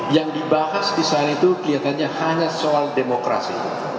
yang dibahas di sana itu kelihatannya hanya soal demokrasi